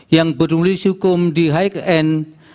yang berdiri di hukum di hikn